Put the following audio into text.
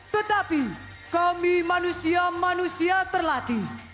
tetapi kami manusia manusia terlatih